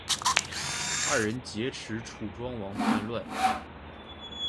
二人劫持楚庄王叛乱。